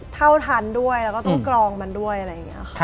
เท่าทันด้วยแล้วก็ต้องกรองมันด้วยอะไรอย่างนี้ค่ะ